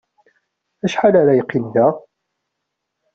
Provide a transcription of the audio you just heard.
Acḥal ara yeqqim da?